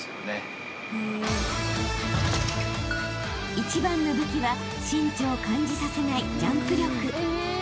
［一番の武器は身長を感じさせないジャンプ力］